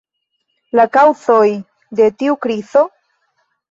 La kaŭzoj de tiu krizo?